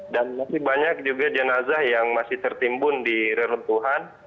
dan masih banyak juga jenazah yang masih tertimbun di reruntuhan